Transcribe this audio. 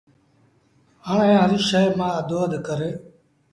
هآڻي هر شئي مآݩ اڌو اد ڪر